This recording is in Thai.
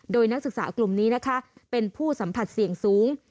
โดยนักศึกษากลุ่มนี้นะคะเป็นผู้สัมผัสเสี่ยงสูง